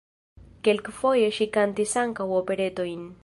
Kelkfoje ŝi kantis ankaŭ operetojn.